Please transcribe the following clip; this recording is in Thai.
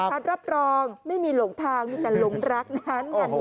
พัดรับรองไม่มีหลงทางมีแต่หลงรักนั้น